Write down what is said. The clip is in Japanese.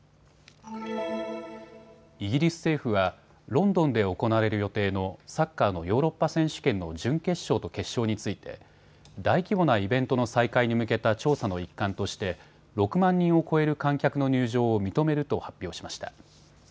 イギリス政府はロンドンで行われる予定のサッカーのヨーロッパ選手権の準決勝と決勝について大規模なイベントの再開に向けた調査の一環として６万人を超える観客の入場を認めると発表しました。